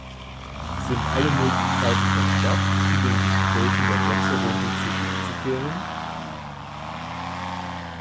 Sind alle Möglichkeiten versperrt, zu den Gesprächen der Sechserrunde zurückzukehren?